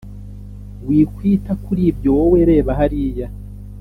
Wikwita kuribyo wowe reba hariya